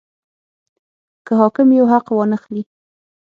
که حاکم یو حق وانه خلي.